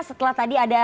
setelah tadi ada